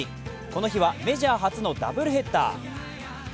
この日はメジャー初のダブルヘッダー。